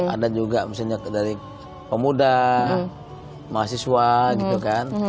ada juga misalnya dari pemuda mahasiswa gitu kan